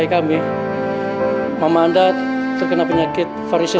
kamu mau lebih banyak lagi ya